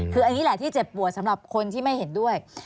คืออันนี้แหละที่เจ็บปวดสำหรับคนที่ไม่เห็นด้วย